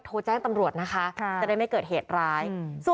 โทรแจ้งตำรวจนะคะจะได้ไม่เกิดเหตุร้าย